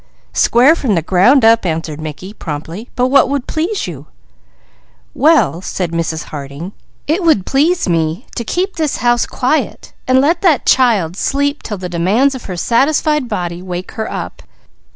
"Square, from the ground up," answered Mickey promptly. "But what would please you?" "Well," said Mrs. Harding, "it would please me to keep this house quiet, and let that child sleep till the demands of her satisfied body wake her up.